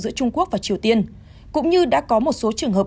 giữa trung quốc và triều tiên cũng như đã có một số trường hợp